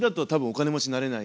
お金持ちになれない。